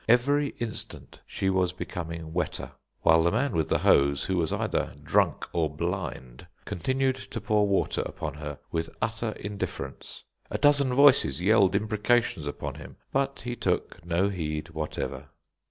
Every instant she was becoming wetter, while the man with the hose, who was either drunk or blind, continued to pour water upon her with utter indifference. A dozen voices yelled imprecations upon him, but he took no heed whatever.